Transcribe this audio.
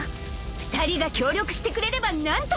［２人が協力してくれれば何とかなるでしょ！］